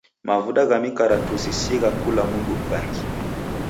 Mavuda gha mikaratusi si gha kula mndu ghangi.